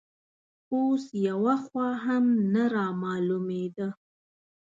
اوس یوه خوا هم نه رامالومېده